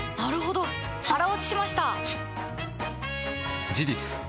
腹落ちしました！